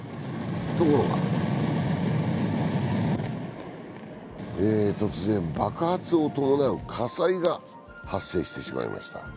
ところが、突然爆発を伴う火災が発生してしまいました。